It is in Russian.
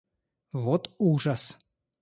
Вот ужас!